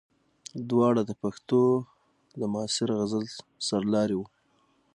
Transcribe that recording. دواړه د پښتو د معاصر غزل سرلاري وو.